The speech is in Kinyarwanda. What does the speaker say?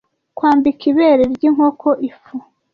Kwambika ibere ryinkoko ifu.